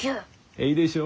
えいでしょ？